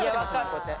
こうやって。